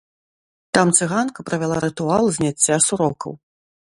Там цыганка правяла рытуал зняцця сурокаў.